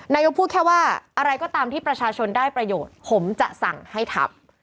นายกพูดแค่ว่าอะไรก็ตามที่ประชาชนได้ประโยชน์ผมจะสั่งให้ทำ